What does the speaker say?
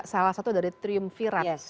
salah satu dari triumvirat